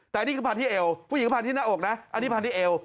แต่นี่คือพันที่เอวผู้หญิงก็พันที่หน้าอกนะอันนี้พันที่เอว